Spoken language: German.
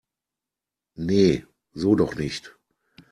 Nee, so doch nicht!